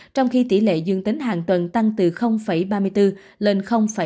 trong khi tỷ lệ dương tính hàng tuần tăng từ ba mươi bốn lên ba mươi tám